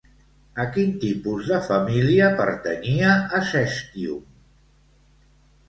A quin tipus de família pertanyia Acestium?